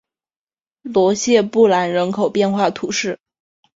罗谢布兰人口变化图示